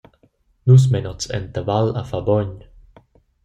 Nus mein oz enta Val a far bogn.